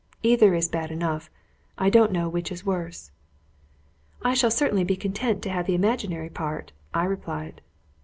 Either is bad enough; I don't know which is worse." "I shall certainly be content to have the imaginary part," I replied.